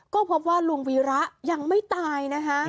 ก็พบว่าลุงวิรักษ์ยังไม่ตาย